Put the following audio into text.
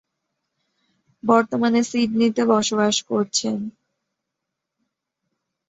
বর্তমানে সিডনিতে বসবাস করছেন।